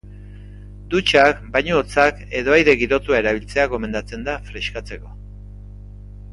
Dutxak, bainu hotzak edo aire girotua erabiltzea gomendatzen da freskatzeko.